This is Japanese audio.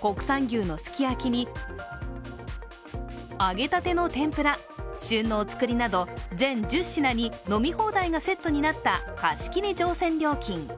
国産牛のすき焼きに、揚げたての天ぷら、旬のお作りなど全１０品に飲み放題がセットになった貸し切り乗船料金。